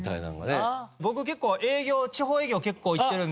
僕結構営業地方営業結構行ってるんで。